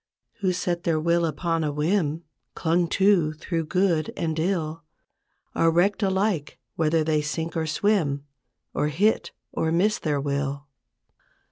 Who set their will upon a whim Clung to through good and ill, Are wrecked alike whether they sink or swim, Or hit or miss their will.